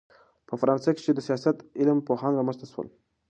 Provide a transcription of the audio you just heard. په فرانسه کښي دسیاست د علم پوهان رامنځ ته سول.